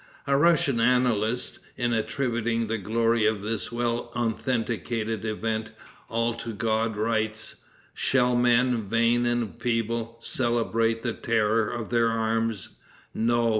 A Russian annalist, in attributing the glory of this well authenticated event all to God, writes: "Shall men, vain and feeble, celebrate the terror of their arms? No!